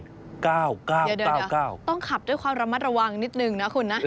เดี๋ยวต้องขับด้วยความระมัดระวังนิดนึงนะคุณนะ